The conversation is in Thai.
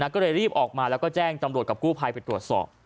ก็เลยรีบออกมาแล้วก็แจ้งตำรวจกับกู้ภัยไปตรวจสอบ